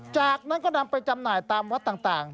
จากนั้นก็นำไปจำหน่ายตามวัดต่าง